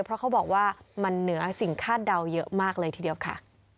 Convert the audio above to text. เพราะเขาบอกว่ามันเหนือสิ่งคาดเดาเยอะมากเลยทีเดียวค่ะ